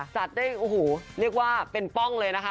จัดได้โอ้โหเรียกว่าเป็นป้องเลยนะคะ